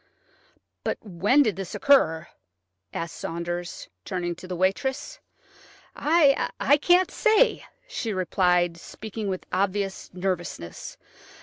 "But when did this occur?" asked Saunders, turning to the waitress. "I can't say," she replied, speaking with obvious nervousness.